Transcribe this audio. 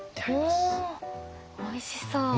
おいしそう！ね？